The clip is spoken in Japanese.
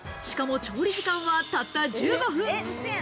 しかも調理時間は、たった１５分。